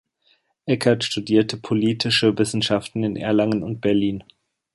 Eckert studierte Politische Wissenschaften in Erlangen und Berlin.